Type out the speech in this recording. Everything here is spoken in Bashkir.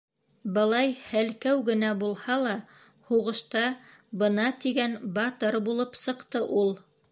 Былай һәлкәү генә булһа ла, һуғышта бына тигән батыр булып сыҡты ул.